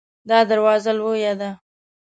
دا دروازه لویه ده